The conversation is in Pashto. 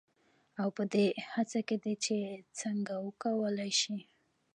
او پـه دې هـڅـه کې دي چـې څـنـګه وکـولـى شـي.